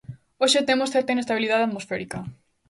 Hoxe temos certa inestabilidade atmosférica.